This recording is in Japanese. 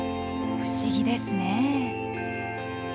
不思議ですね。